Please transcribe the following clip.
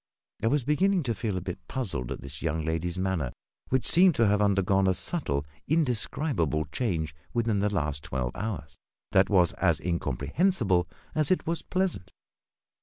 I was beginning to feel a bit puzzled at this young lady's manner, which seemed to have undergone a subtle, indescribable change within the last twelve hours that was as incomprehensible as it was pleasant.